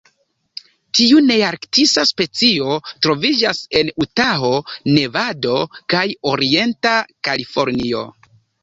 Tiu nearktisa specio troviĝas en Utaho, Nevado kaj orienta Kalifornio.